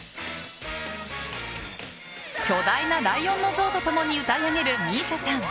巨大なライオンの像と共に歌い上げるＭＩＳＩＡさん。